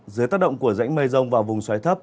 dưới tác động của rãnh mây rông và vùng xoáy thấp